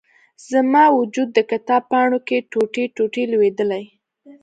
زما و جود، د کتاب پاڼو کې، ټوټي، ټوټي لویدلي